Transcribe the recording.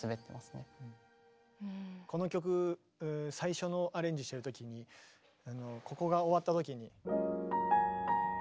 この曲最初のアレンジしてるときにここが終わったときに。